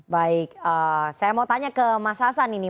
baik saya mau tanya ke mas hasan ini